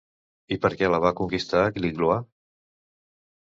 I per què la va conquistar Gliglois?